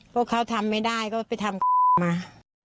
พวกเขาทำไม่ได้ก็ไปทำมา